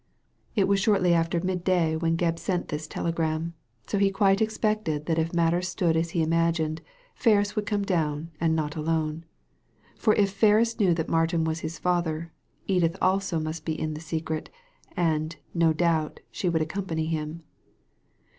It was shortly after midday when Gebb sent this telegram, so he quite expected that if matters stood as he imagined Ferris would come down, and not alone ; for if Ferris knew that Martin was his father, Edith also must be in the secret, and, no doubt, she would accompany him.